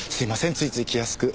ついつい気やすく。